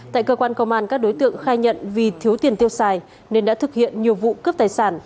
tại cơ quan công an các đối tượng khai nhận vì thiếu tiền tiêu xài nên đã thực hiện nhiều vụ cướp tài sản